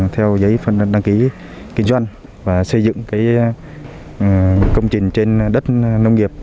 theo giấy phân đăng ký kinh doanh và xây dựng công trình trên đất nông nghiệp